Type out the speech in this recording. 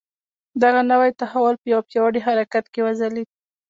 دغه نوی تحول په یوه پیاوړي حرکت کې وځلېد.